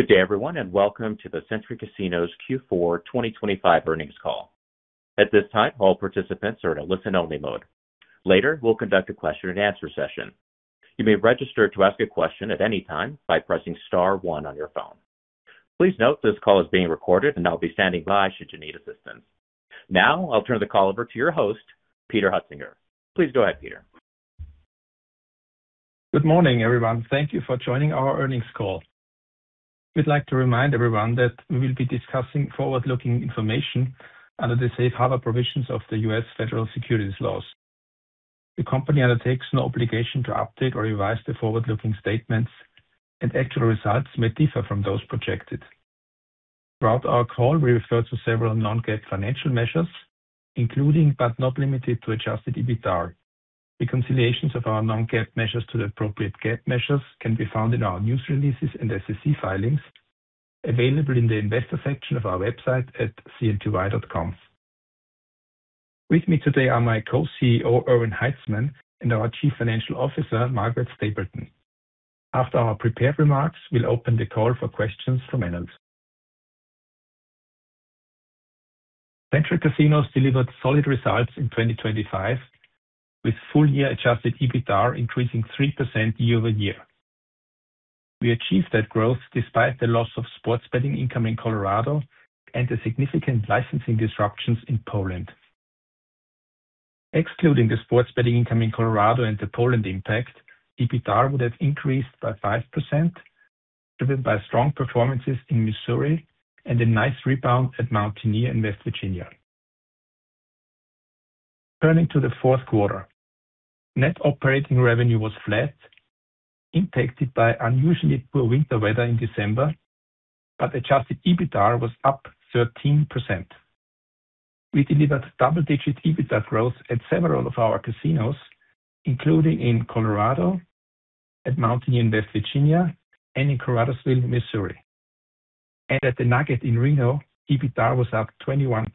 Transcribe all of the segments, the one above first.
Good day, everyone, and welcome to the Century Casinos Q4 2025 Earnings Call. At this time, all participants are in a listen-only mode. Later, we'll conduct a question and answer session. You may register to ask a question at any time by pressing star one on your phone. Please note this call is being recorded and I'll be standing by should you need assistance. Now, I'll turn the call over to your host, Peter Hoetzinger. Please go ahead, Peter. Good morning, everyone. Thank you for joining our earnings call. We'd like to remind everyone that we will be discussing forward-looking information under the Safe Harbor provisions of the U.S. Federal Securities laws. The company undertakes no obligation to update or revise the forward-looking statements, and actual results may differ from those projected. Throughout our call, we refer to several non-GAAP financial measures, including but not limited to adjusted EBITDA. Reconciliations of our non-GAAP measures to the appropriate GAAP measures can be found in our news releases and SEC filings available in the Investor section of our website at cnty.com. With me today are my Co-CEO, Erwin Haitzmann, and our Chief Financial Officer, Margaret Stapleton. After our prepared remarks, we'll open the call for questions from analysts. Century Casinos delivered solid results in 2025, with full year adjusted EBITDA increasing 3% year-over-year. We achieved that growth despite the loss of sports betting income in Colorado and the significant licensing disruptions in Poland. Excluding the sports betting income in Colorado and the Poland impact, EBITDA would have increased by 5%, driven by strong performances in Missouri and a nice rebound at Mountaineer in West Virginia. Turning to the fourth quarter, net operating revenue was flat, impacted by unusually poor winter weather in December, but adjusted EBITDA was up 13%. We delivered double-digit EBITDA growth at several of our casinos, including in Colorado, at Mountaineer in West Virginia, and in Caruthersville, Missouri. At the Nugget in Reno, EBITDA was up 21%.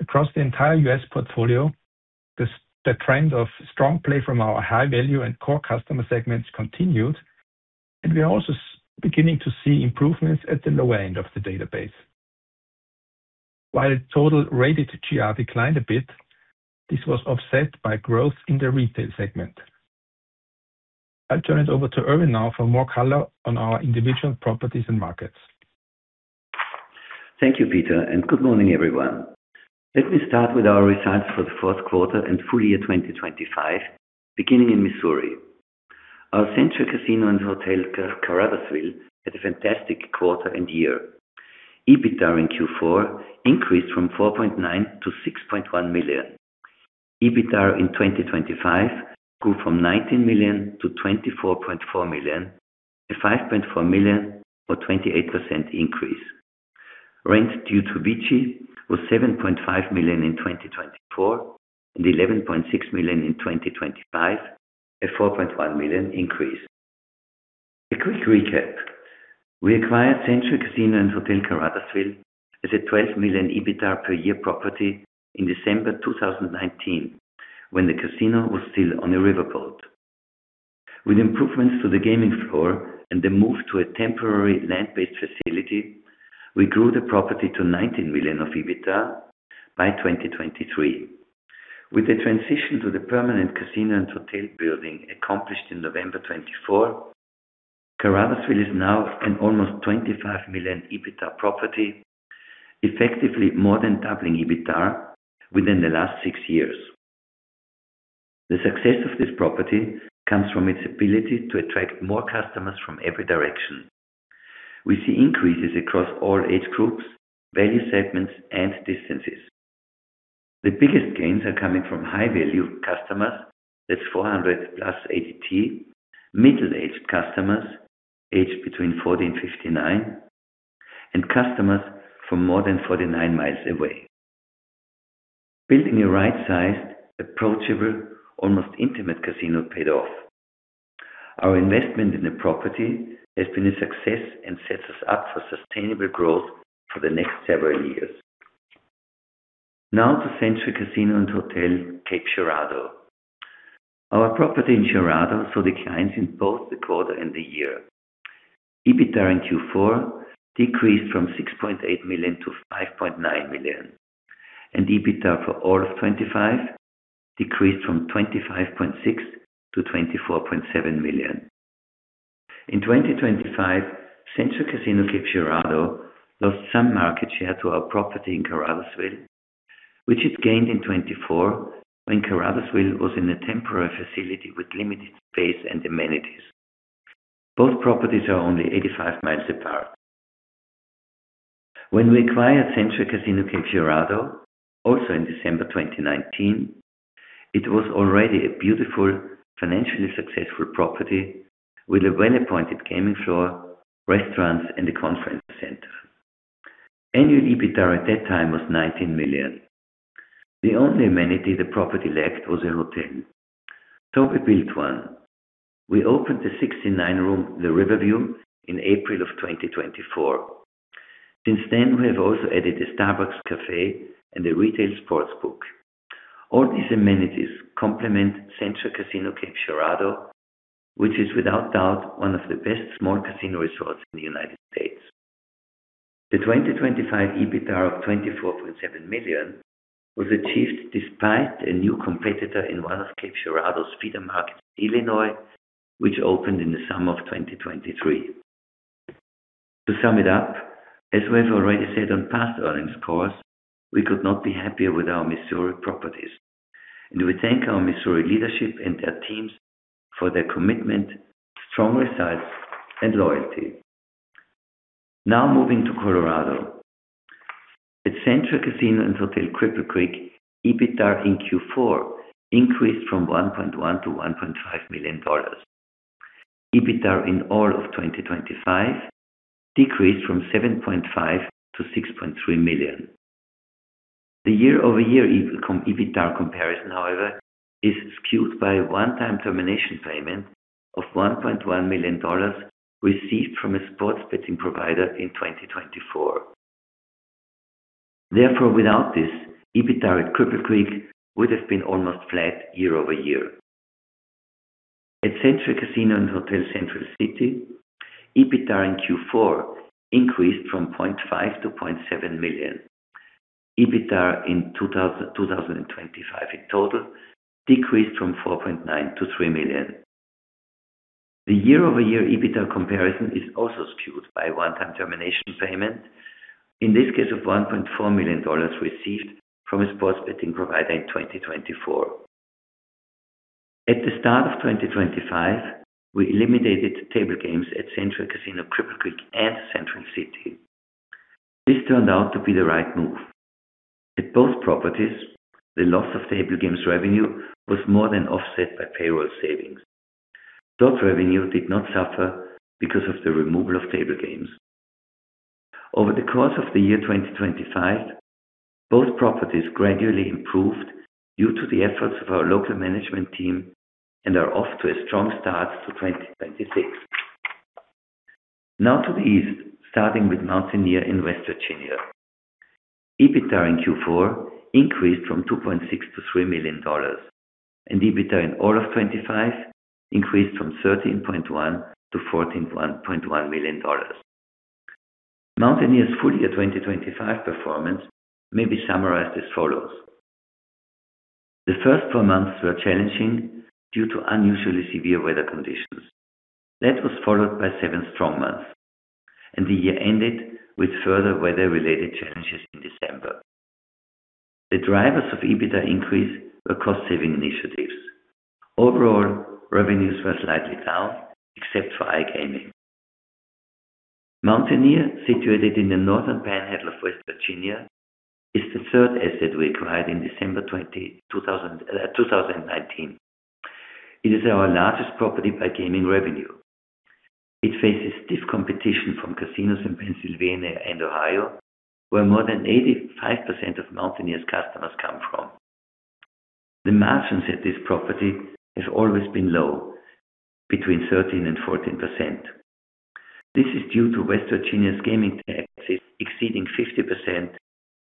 Across the entire U.S. portfolio, the trend of strong play from our high-value and core customer segments continued, and we are also beginning to see improvements at the lower end of the database. While total GGR declined a bit, this was offset by growth in the retail segment. I'll turn it over to Erwin now for more color on our individual properties and markets. Thank you, Peter, and good morning, everyone. Let me start with our results for the fourth quarter and full year 2025 beginning in Missouri. Our Century Casino & Hotel Caruthersville had a fantastic quarter and year. EBITDA in Q4 increased from $4.9 million to $6.1 million. EBITDA in 2025 grew from $19 million to $24.4 million, a $5.4 million or 28% increase. Rent due to VICI was $7.5 million in 2024 and $11.6 million in 2025, a $4.1 million increase. A quick recap. We acquired Century Casino & Hotel Caruthersville as a $12 million EBITDA per year property in December 2019 when the casino was still on a riverboat. With improvements to the gaming floor and the move to a temporary land-based facility, we grew the property to $19 million of EBITDA by 2023. With the transition to the permanent casino and hotel building accomplished in November 2024, Caruthersville is now an almost $25 million EBITDA property, effectively more than doubling EBITDA within the last six years. The success of this property comes from its ability to attract more customers from every direction. We see increases across all age groups, value segments, and distances. The biggest gains are coming from high-value customers, that's 400+ ADT, middle-aged customers aged between 40 and 59, and customers from more than 49 mi away. Building a right-sized, approachable, almost intimate casino paid off. Our investment in the property has been a success and sets us up for sustainable growth for the next several years. Now to Century Casino & Hotel Cape Girardeau. Our property in Girardeau saw declines in both the quarter and the year. EBITDA in Q4 decreased from $6.8 million to $5.9 million, and EBITDA for all of 2025 decreased from $25.6 million to $24.7 million. In 2025, Century Casino Cape Girardeau lost some market share to our property in Caruthersville, which it gained in 2024 when Caruthersville was in a temporary facility with limited space and amenities. Both properties are only 85 mi apart. When we acquired Century Casino Cape Girardeau, also in December 2019, it was already a beautiful, financially successful property with a well-appointed gaming floor, restaurants, and a conference center. Annual EBITDA at that time was $19 million. The only amenity the property lacked was a hotel. We built one. We opened the 69-room The Riverview in April of 2024. Since then, we have also added a Starbucks cafe and a retail sports book. All these amenities complement Century Casino Cape Girardeau, which is without doubt one of the best small casino resorts in the United States. The 2025 EBITDA of $24.7 million was achieved despite a new competitor in one of Cape Girardeau's feeder markets in Illinois, which opened in the summer of 2023. To sum it up, as we have already said on past earnings calls, we could not be happier with our Missouri properties, and we thank our Missouri leadership and their teams for their commitment, strong results, and loyalty. Now moving to Colorado. At Century Casino & Hotel Cripple Creek, EBITDA in Q4 increased from $1.1 million to $1.5 million. EBITDA in all of 2025 decreased from $7.5 million to $6.3 million. The year-over-year EBITDA comparison, however, is skewed by a one-time termination payment of $1.1 million received from a sports betting provider in 2024. Therefore, without this, EBITDA at Cripple Creek would have been almost flat year-over-year. At Century Casino & Hotel Central City, EBITDA in Q4 increased from $0.5 million to $0.7 million. EBITDA in 2025 in total decreased from $4.9 million to $3 million. The year-over-year EBITDA comparison is also skewed by a one-time termination payment, in this case of $1.4 million received from a sports betting provider in 2024. At the start of 2025, we eliminated table games at Century Casino Cripple Creek and Central City. This turned out to be the right move. At both properties, the loss of table games revenue was more than offset by payroll savings. Slot revenue did not suffer because of the removal of table games. Over the course of the year 2025, both properties gradually improved due to the efforts of our local management team and are off to a strong start to 2026. Now to the east, starting with Mountaineer in West Virginia. EBITDA in Q4 increased from $2.6 million to $3 million, and EBITDA in all of 2025 increased from $13.1 million to $14.1 million. Mountaineer's full year 2025 performance may be summarized as follows. The first four months were challenging due to unusually severe weather conditions. That was followed by seven strong months, and the year ended with further weather-related challenges in December. The drivers of EBITDA increase were cost-saving initiatives. Overall, revenues were slightly down, except for iGaming. Mountaineer, situated in the northern panhandle of West Virginia, is the third asset we acquired in December 2019. It is our largest property by gaming revenue. It faces stiff competition from casinos in Pennsylvania and Ohio, where more than 85% of Mountaineer's customers come from. The margins at this property have always been low, between 13% and 14%. This is due to West Virginia's gaming taxes exceeding 50%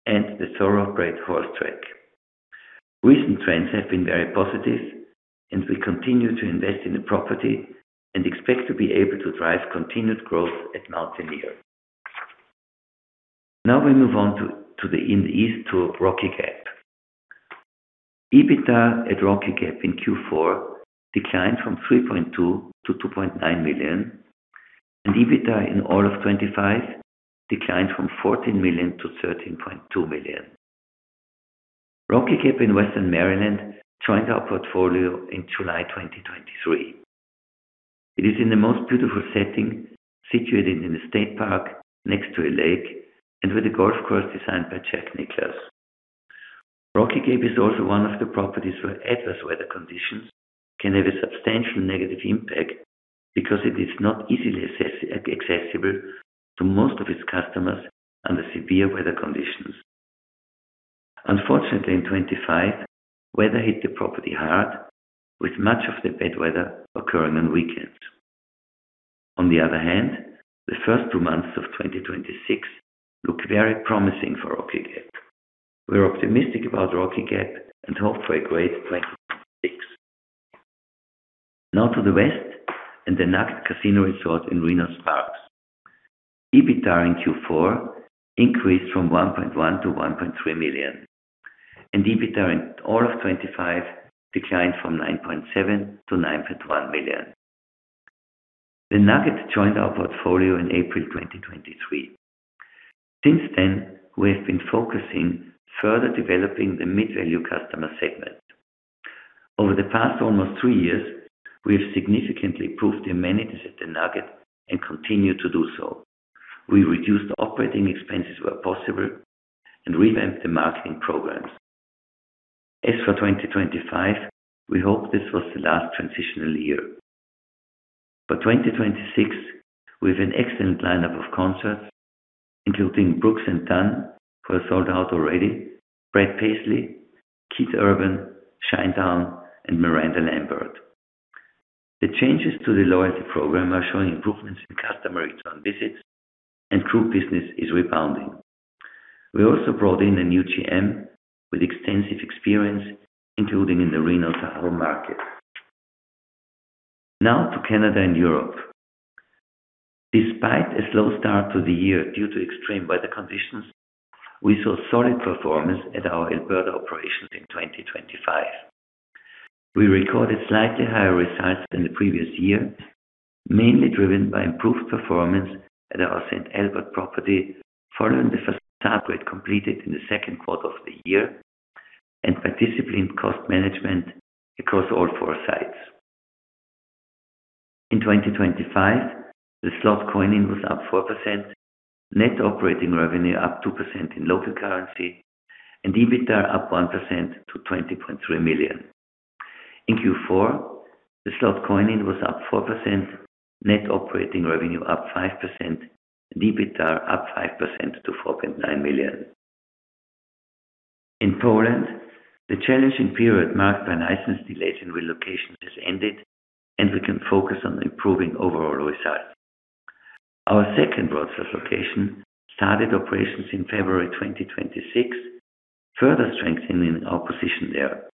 and the thoroughbred horse track. Recent trends have been very positive, and we continue to invest in the property and expect to be able to drive continued growth at Mountaineer. Now we move on in the east to Rocky Gap. EBITDA at Rocky Gap in Q4 declined from $3.2 million to $2.9 million, and EBITDA in all of 2025 declined from $14 million to $13.2 million. Rocky Gap in Western Maryland joined our portfolio in July 2023. It is in the most beautiful setting, situated in a state park next to a lake and with a golf course designed by Jack Nicklaus. Rocky Gap is also one of the properties where adverse weather conditions can have a substantial negative impact because it is not easily accessible to most of its customers under severe weather conditions. Unfortunately, in 2025, weather hit the property hard, with much of the bad weather occurring on weekends. On the other hand, the first two months of 2026 look very promising for Rocky Gap. We're optimistic about Rocky Gap and hope for a great 2026. Now to the west and the Nugget Casino Resort in Reno Sparks. EBITDA in Q4 increased from $1.1 million to $1.3 million, and EBITDA in all of 2025 declined from $9.7 million to $9.1 million. The Nugget joined our portfolio in April 2023. Since then, we have been focusing further developing the mid-value customer segment. Over the past almost three years, we have significantly improved the amenities at the Nugget and continue to do so. We reduced operating expenses where possible and revamped the marketing programs. As for 2025, we hope this was the last transitional year. For 2026, we have an excellent lineup of concerts, including Brooks & Dunn, who are sold out already, Brad Paisley, Keith Urban, Shinedown, and Miranda Lambert. The changes to the loyalty program are showing improvements in customer return visits and group business is rebounding. We also brought in a new GM with extensive experience, including in the Reno-Tahoe market. Now to Canada and Europe. Despite a slow start to the year due to extreme weather conditions, we saw solid performance at our Alberta operations in 2025. We recorded slightly higher results than the previous year, mainly driven by improved performance at our St. Albert property following the facade upgrade completed in the second quarter of the year and by disciplined cost management across all four sites. In 2025, the slot coin-in was up 4%, net operating revenue up 2% in local currency, and EBITDA up 1% to $20.3 million. In Q4, the slot coin-in was up 4%, net operating revenue up 5%, and EBITDA up 5% to $4.9 million. In Poland, the challenging period marked by license delays and relocation has ended, and we can focus on improving overall results. Our second Wrocław location started operations in February 2026, further strengthening our position there.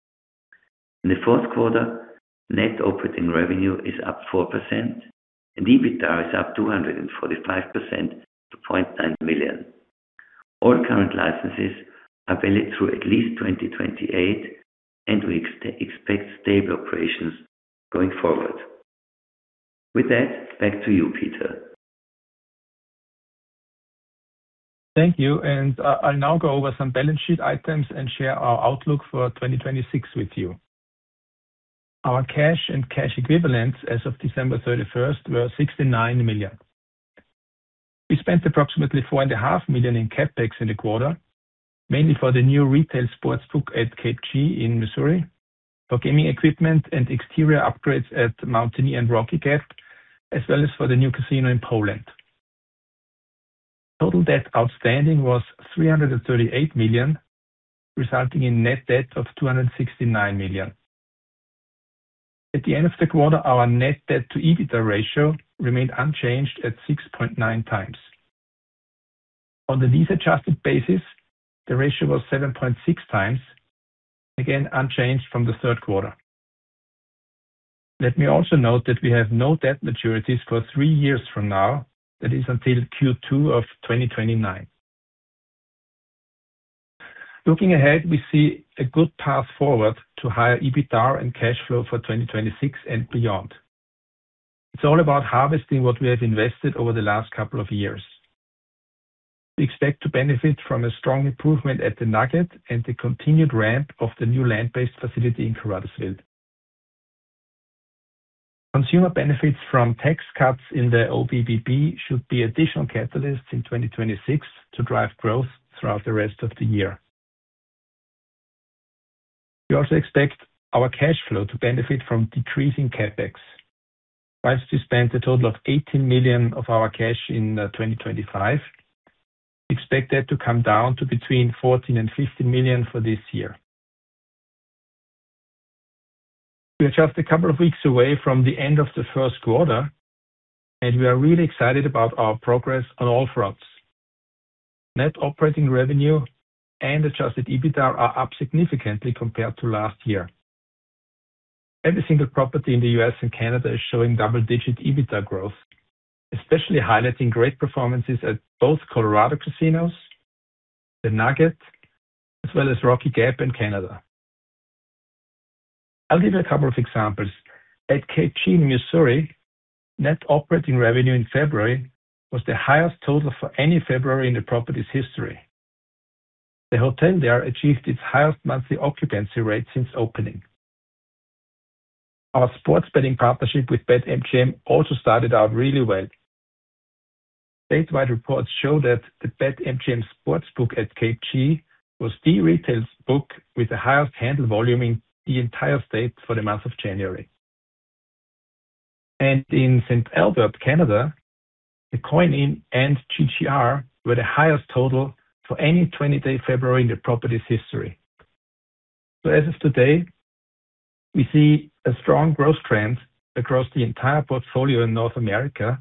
In the fourth quarter, net operating revenue is up 4% and EBITDA is up 245% to $0.9 million. All current licenses are valid through at least 2028, and we expect stable operations going forward. With that, back to you, Peter. Thank you, I'll now go over some balance sheet items and share our outlook for 2026 with you. Our cash and cash equivalents as of December 31st were $69 million. We spent approximately $4.5 million in CapEx in the quarter, mainly for the new retail sportsbook at Cape Girardeau in Missouri, for gaming equipment and exterior upgrades at Mountaineer and Rocky Gap, as well as for the new casino in Poland. Total debt outstanding was $338 million, resulting in net debt of $269 million. At the end of the quarter, our net debt to EBITDA ratio remained unchanged at 6.9x. On the lease adjusted basis, the ratio was 7.6x, again, unchanged from the third quarter. Let me also note that we have no debt maturities for three years from now. That is until Q2 of 2029. Looking ahead, we see a good path forward to higher EBITDA and cash flow for 2026 and beyond. It's all about harvesting what we have invested over the last couple of years. We expect to benefit from a strong improvement at the Nugget and the continued ramp of the new land-based facility in Caruthersville. Consumer benefits from tax cuts in Alberta should be additional catalysts in 2026 to drive growth throughout the rest of the year. We also expect our cash flow to benefit from decreasing CapEx. While we spent a total of $18 million of our cash in 2025, we expect that to come down to between $14 million-$15 million for this year. We are just a couple of weeks away from the end of the first quarter, and we are really excited about our progress on all fronts. Net operating revenue and adjusted EBITDA are up significantly compared to last year. Every single property in the U.S. and Canada is showing double-digit EBITDA growth, especially highlighting great performances at both Colorado casinos, the Nugget, as well as Rocky Gap in Canada. I'll give a couple of examples. At Cape Girardeau in Missouri, net operating revenue in February was the highest total for any February in the property's history. The hotel there achieved its highest monthly occupancy rate since opening. Our sports betting partnership with BetMGM also started out really well. Statewide reports show that the BetMGM sports book at Cape Girardeau was the retail book with the highest handle volume in the entire state for the month of January. In St. Alberta, Canada, the coin-in and GGR were the highest total for any 20-day February in the property's history. As of today, we see a strong growth trend across the entire portfolio in North America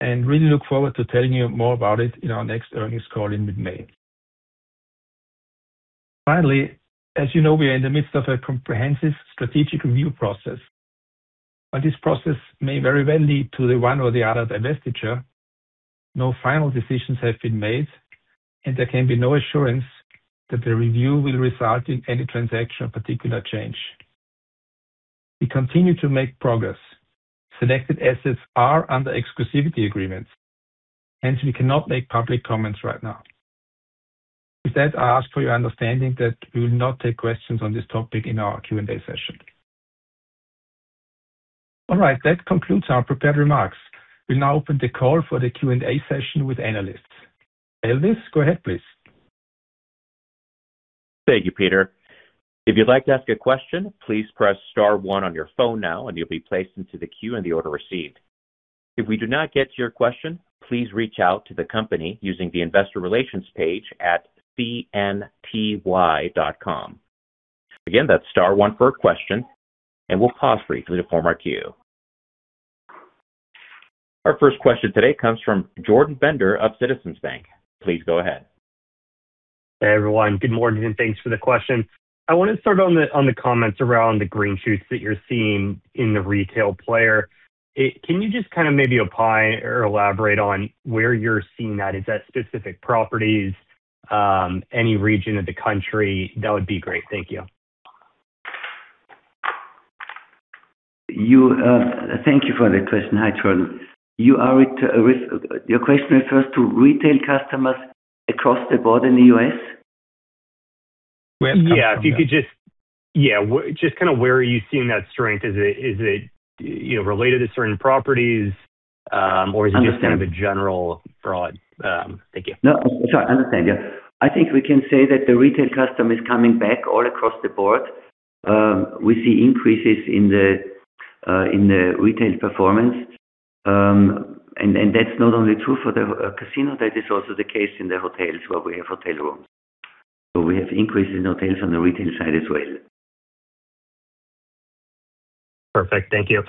and really look forward to telling you more about it in our next earnings call in mid-May. Finally, as you know, we are in the midst of a comprehensive strategic review process. While this process may very well lead to the one or the other divestiture, no final decisions have been made, and there can be no assurance that the review will result in any transaction or particular change. We continue to make progress. Selected assets are under exclusivity agreements, hence we cannot make public comments right now. With that, I ask for your understanding that we will not take questions on this topic in our Q&A session. All right. That concludes our prepared remarks. We'll now open the call for the Q&A session with analysts. Elvis, go ahead, please. Thank you, Peter. If you'd like to ask a question, please press star one on your phone now and you'll be placed into the queue in the order received. If we do not get to your question, please reach out to the company using the investor relations page at cnty.com. Again, that's star one for a question, and we'll pause briefly to form our queue. Our first question today comes from Jordan Bender of Citizens Bank. Please go ahead. Hey, everyone. Good morning, and thanks for the question. I want to start on the comments around the green shoots that you're seeing in the retail player. Can you just kind of maybe apply or elaborate on where you're seeing that? Is that specific properties? Any region of the country? That would be great. Thank you. Thank you for the question. Hi, Jordan. Your question refers to retail customers across the board in the U.S.? Yeah. Just kinda where are you seeing that strength? Is it, you know, related to certain properties? Or is it just- Understand. Thank you. No. Sorry. Understand. Yeah, I think we can say that the retail customer is coming back all across the board. We see increases in the retail performance. That's not only true for the casino, that is also the case in the hotels where we have hotel rooms. We have increases in hotels on the retail side as well. Perfect. Thank you.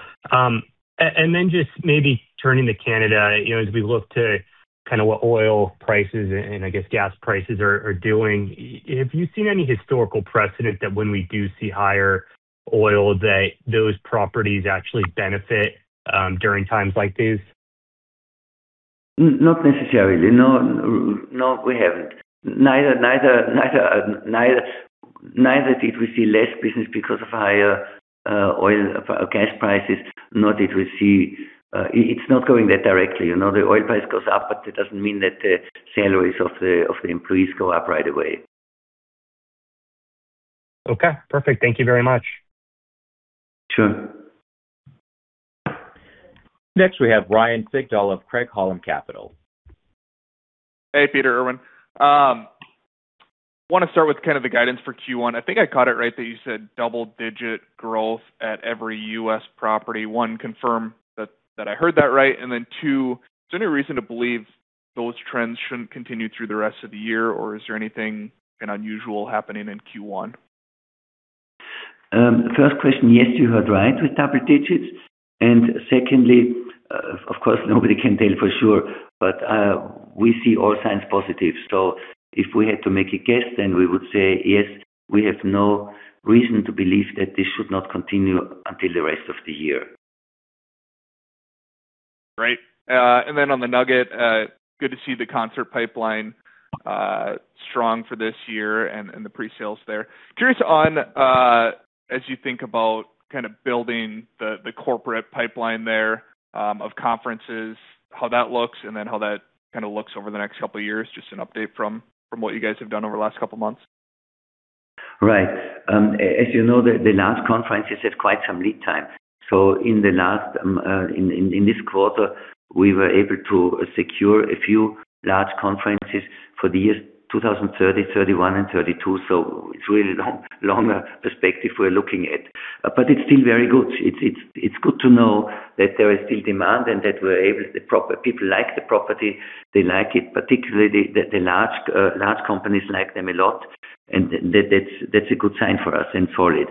Just maybe turning to Canada, you know, as we look to kinda what oil prices and I guess gas prices are doing, have you seen any historical precedent that when we do see higher oil that those properties actually benefit during times like these? Not necessarily. No. No, we haven't. Neither did we see less business because of higher oil or gas prices. Nor did we see. It's not going that directly. You know, the oil price goes up, but it doesn't mean that the salaries of the employees go up right away. Okay. Perfect. Thank you very much. Sure. Next, we have Ryan Sigdahl of Craig-Hallum Capital Group. Hey, Peter, Erwin. Wanna start with kind of the guidance for Q1. I think I caught it right that you said double-digit growth at every U.S. property. One, confirm that I heard that right. Two, is there any reason to believe those trends shouldn't continue through the rest of the year, or is there anything kind of unusual happening in Q1? First question, yes, you heard right with double digits. Secondly, of course, nobody can tell for sure, but we see all signs positive. If we had to make a guess, then we would say, yes, we have no reason to believe that this should not continue until the rest of the year. Great. And then on the Nugget, good to see the concert pipeline strong for this year and the pre-sales there. Curious on, as you think about kind of building the corporate pipeline there of conferences, how that looks and then how that kinda looks over the next couple of years, just an update from what you guys have done over the last couple of months. Right. As you know, the last conferences have quite some lead time. In this quarter, we were able to secure a few large conferences for the years 2030, 2031, and 2032. It's really long perspective we're looking at. It's still very good. It's good to know that there is still demand and the people like the property. They like it, particularly the large companies like them a lot. That's a good sign for us and for it.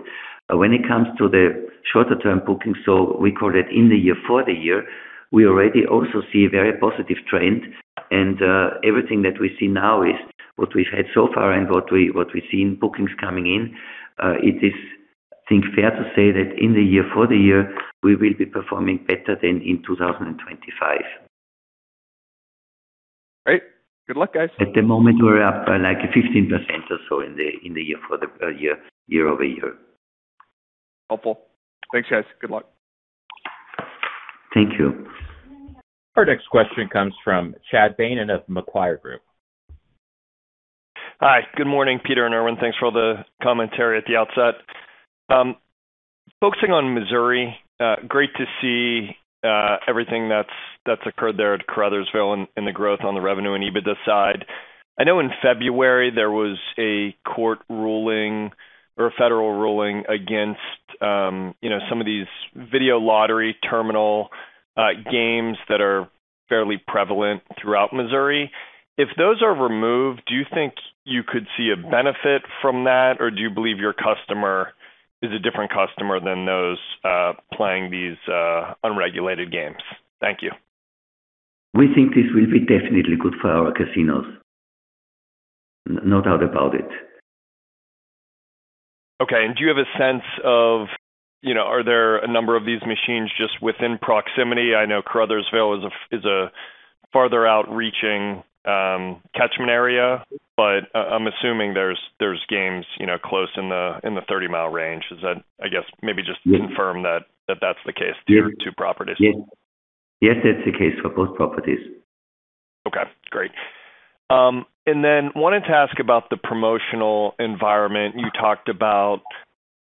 When it comes to the shorter-term booking, so we call it in the year for the year, we already also see a very positive trend. Everything that we see now is what we've had so far and what we see in bookings coming in. It is, I think, fair to say that in the year for the year, we will be performing better than in 2025. Great. Good luck, guys. At the moment, we're up by like 15% or so year-over-year. Helpful. Thanks, guys. Good luck. Thank you. Our next question comes from Chad Beynon of Macquarie Group. Hi. Good morning, Peter and Erwin. Thanks for all the commentary at the outset. Focusing on Missouri, great to see everything that's occurred there at Caruthersville and the growth on the revenue and EBITDA side. I know in February there was a court ruling or a federal ruling against, you know, some of these video lottery terminal games that are fairly prevalent throughout Missouri. If those are removed, do you think you could see a benefit from that? Or do you believe your customer is a different customer than those playing these unregulated games? Thank you. We think this will be definitely good for our casinos. No doubt about it. Okay. Do you have a sense of, you know, are there a number of these machines just within proximity? I know Caruthersville is a farther out reaching catchment area, but I'm assuming there's games, you know, close in the 30-mi range. I guess maybe just confirm that that's the case to your two properties. Yes. Yes, that's the case for both properties. Okay, great. Then wanted to ask about the promotional environment. You talked about,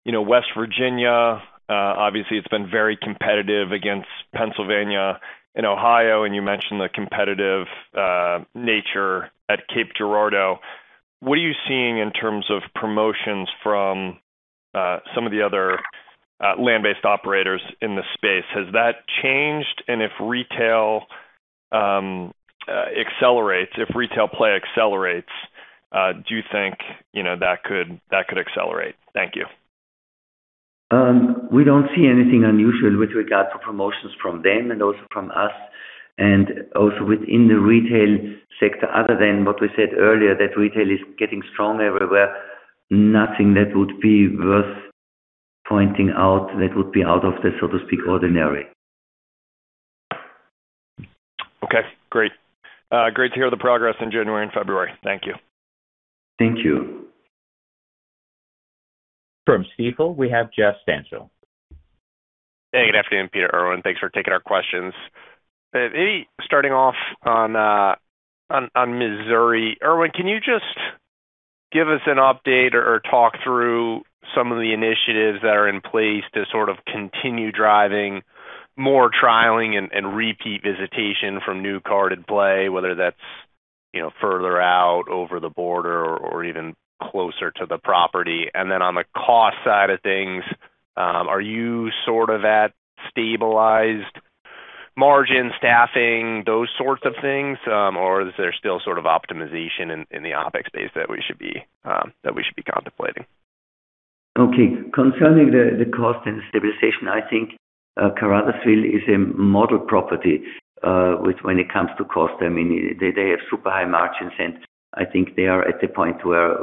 you know, West Virginia, obviously it's been very competitive against Pennsylvania and Ohio, and you mentioned the competitive nature at Cape Girardeau. What are you seeing in terms of promotions from some of the other land-based operators in the space? Has that changed? If retail accelerates, if retail play accelerates, do you think that could accelerate? Thank you. We don't see anything unusual with regard to promotions from them and also from us, and also within the retail sector, other than what we said earlier, that retail is getting strong everywhere. Nothing that would be worth pointing out that would be out of the, so to speak, ordinary. Okay, great. Great to hear the progress in January and February. Thank you. Thank you. From Stifel, we have Jeff Stantial. Hey, good afternoon, Peter, Erwin. Thanks for taking our questions. Maybe starting off on Missouri. Erwin, can you just give us an update or talk through some of the initiatives that are in place to sort of continue driving more trialing and repeat visitation from new carded play, whether that's, you know, further out over the border or even closer to the property. On the cost side of things, are you sort of at stabilized margin staffing, those sorts of things? Is there still sort of optimization in the OpEx space that we should be contemplating? Okay. Concerning the cost and stabilization, I think Caruthersville is a model property with when it comes to cost. I mean, they have super high margins, and I think they are at the point where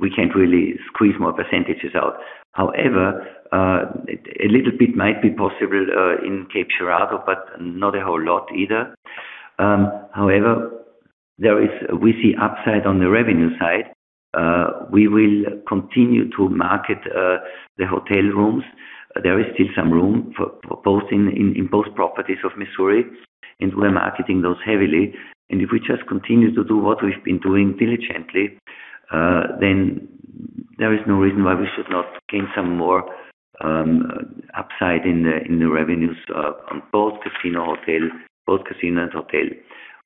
we can't really squeeze more percentages out. However, a little bit might be possible in Cape Girardeau, but not a whole lot either. However, we see upside on the revenue side. We will continue to market the hotel rooms. There is still some room for both in both properties of Missouri, and we're marketing those heavily. If we just continue to do what we've been doing diligently, then there is no reason why we should not gain some more upside in the revenues on both casino and hotel.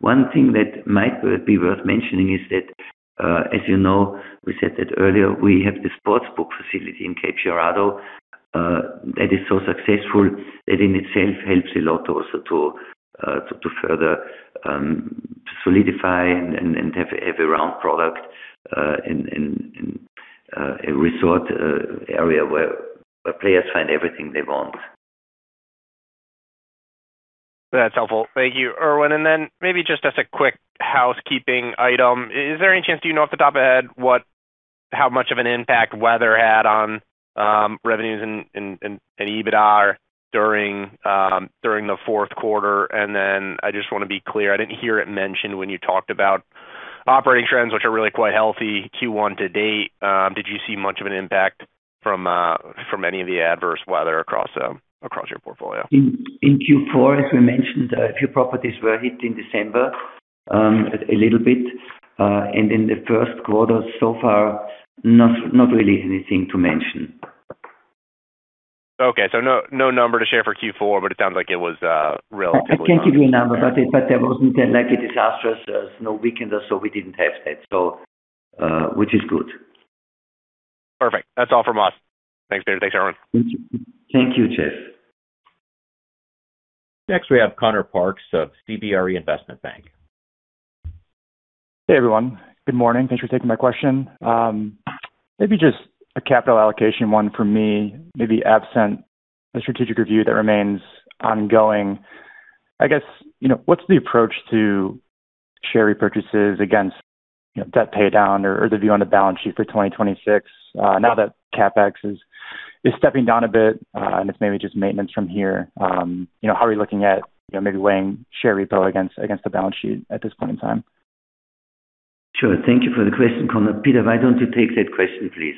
One thing that might be worth mentioning is that, as you know, we said that earlier, we have the sports book facility in Cape Girardeau that is so successful that in itself helps a lot also to further solidify and have a well-rounded product in a resort area where players find everything they want. That's helpful. Thank you, Erwin. Then maybe just as a quick housekeeping item, is there any chance you know off the top of head how much of an impact weather had on revenues and EBITDA during the fourth quarter? I just wanna be clear, I didn't hear it mentioned when you talked about operating trends, which are really quite healthy Q1 to date. Did you see much of an impact from any of the adverse weather across your portfolio? In Q4, as we mentioned, a few properties were hit in December, a little bit. In the first quarter, so far, not really anything to mention. Okay. No, no number to share for Q4, but it sounds like it was relatively minor. I can't give you a number, but there wasn't like a disastrous snow weekend or so we didn't have that, so which is good. Perfect. That's all from us. Thanks, Peter. Thanks, Erwin. Thank you, Jeff. Next, we have Connor Parks of CBRE Investment Bank. Hey, everyone. Good morning. Thanks for taking my question. Maybe just a capital allocation one for me, maybe absent a strategic review that remains ongoing. I guess, you know, what's the approach to share repurchases against, you know, debt pay down or the view on the balance sheet for 2026, now that CapEx is stepping down a bit, and it's maybe just maintenance from here. You know, how are you looking at, you know, maybe weighing share repo against the balance sheet at this point in time? Sure. Thank you for the question, Connor. Peter, why don't you take that question, please?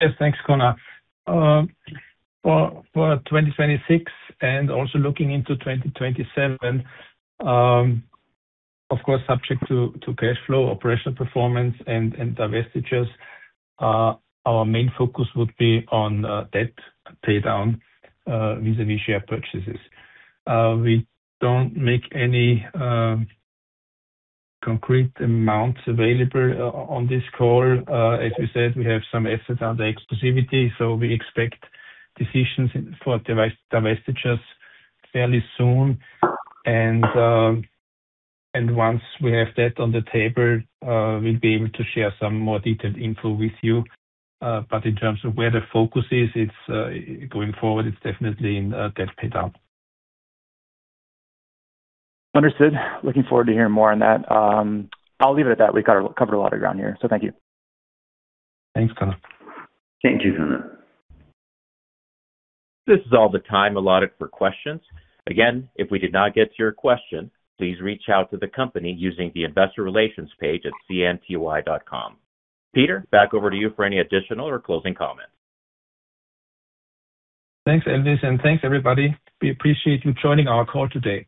Yes, thanks, Connor. For 2026 and also looking into 2027, of course, subject to cash flow, operational performance and divestitures, our main focus would be on debt pay down vis-a-vis share purchases. We don't make any concrete amounts available on this call. As we said, we have some assets under exclusivity, so we expect decisions for divestitures fairly soon. Once we have that on the table, we'll be able to share some more detailed info with you. In terms of where the focus is, it's going forward, it's definitely in debt pay down. Understood. Looking forward to hearing more on that. I'll leave it at that. We covered a lot of ground here. Thank you. Thanks, Connor. Thank you, Connor. This is all the time allotted for questions. Again, if we did not get to your question, please reach out to the company using the investor relations page at cnty.com. Peter, back over to you for any additional or closing comments. Thanks, Elvis, and thanks, everybody. We appreciate you joining our call today.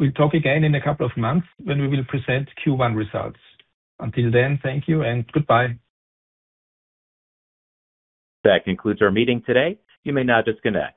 We'll talk again in a couple of months when we will present Q1 results. Until then, thank you and goodbye. That concludes our meeting today. You may now disconnect.